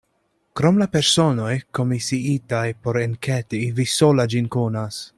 Krom la personoj, komisiitaj por enketi, vi sola ĝin konas.